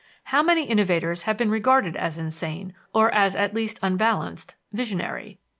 How many innovators have been regarded as insane, or as at least unbalanced, visionary!